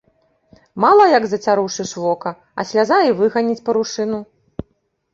Мала як зацярушыш вока, а сляза і выганіць парушыну.